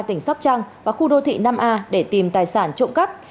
tỉnh sóc trăng và khu đô thị năm a để tìm tài sản trộm cắp